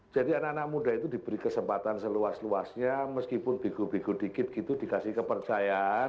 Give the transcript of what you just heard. jadi anak anak muda itu diberi kesempatan seluas luasnya meskipun bigu bigu dikit gitu dikasih kepercayaan